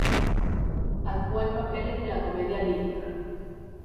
Actuó en papeles de la comedia lírica.